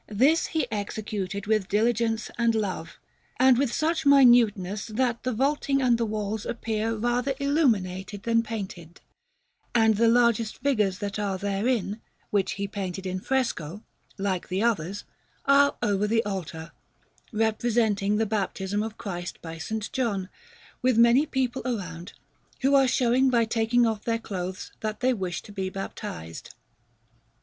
This he executed with diligence and love, and with such minuteness that the vaulting and the walls appear rather illuminated than painted; and the largest figures that are therein, which he painted in fresco like the others, are over the altar, representing the Baptism of Christ by S. John, with many people around, who are showing by taking off their clothes that they wish to be baptized.